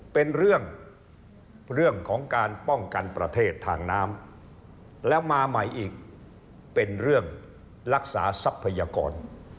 เป็นเรื่องของการป้องกันประเทศทางน้ำแล้วมาใหม่อีกเป็นเรื่องรักษาทรัพยากร